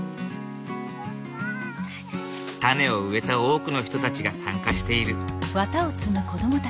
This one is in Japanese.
種を植えた多くの人たちが参加している。